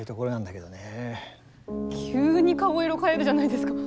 急に顔色変えるじゃないですか。